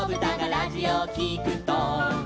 「ラジオをきくと」